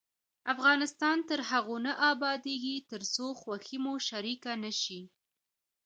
افغانستان تر هغو نه ابادیږي، ترڅو خوښي مو شریکه نشي.